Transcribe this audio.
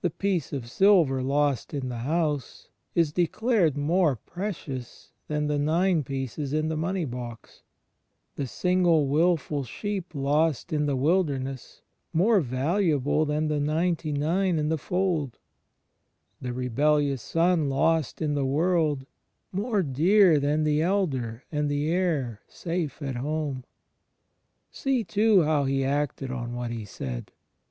V : 21. 'John viii : ii. *Luke xv. ' Luke XV : 2. ^ Matt, iz : 13. CHRIST IN THE EXTERIOR 87 in the house is declared more precious than the nine pieces in the money box: the single wilful sheep lost in the wilderness more valuable than the ninety nine in the fold: the rebellious son lost in the world more dear than the elder, and the heir, safe at home. See, too, how He acted on what He said.